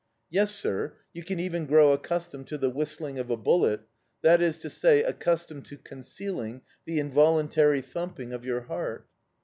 "Yes, sir, you can even grow accustomed to the whistling of a bullet, that is to say, accustomed to concealing the involuntary thumping of your heart."